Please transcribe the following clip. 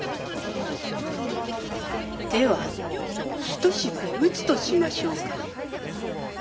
では一芝居打つとしましょうか。